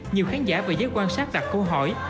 nhiều khán giả và giới quan sát đặt câu hỏi